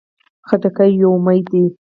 خټکی یو امید دی.